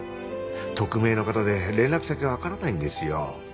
匿名の方で連絡先がわからないんですよ。